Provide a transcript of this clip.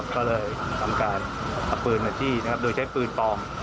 ก็เลยทำการการปืนวันที่โดยใช้ปืนปลอม